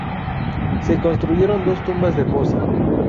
Se construyeron dos tumbas de fosa.